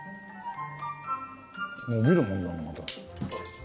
伸びるもんだなまた。